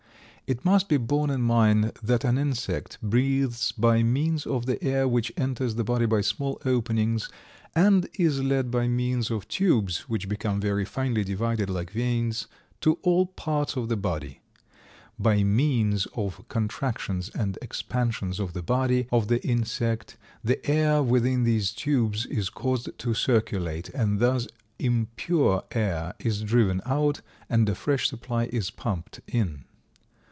It must be borne in mind that an insect breathes by means of the air which enters the body by small openings and is led by means of tubes, which become very finely divided, like veins, to all parts of the body. By means of contractions and expansions of the body of the insect, the air within these tubes is caused to circulate, and thus impure air is driven out and a fresh supply is pumped in.